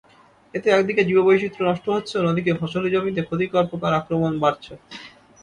এতে একদিকে জীববৈচিত্র্য নষ্ট হচ্ছে, অন্যদিকে ফসলি জমিতে ক্ষতিকর পোকার আক্রমণ বাড়ছে।